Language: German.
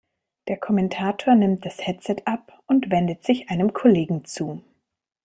Der Kommentator nimmt das Headset ab und wendet sich einem Kollegen zu.